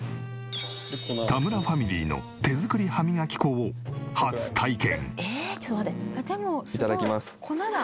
田村ファミリーの手作り歯磨き粉を初体験。